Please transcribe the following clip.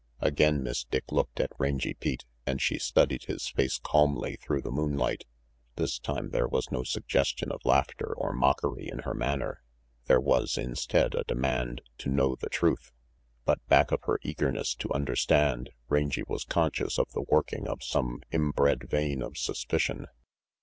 Again Miss Dick looked at Rangy Pete, and she studied his face calmly through the moonlight. This time there was no suggestion of laughter or mockery in her manner. There was, instead, a demand to know the truth. But back of her eagerness to under stand, Rangy was conscious of the working of some inbred vein of suspicion.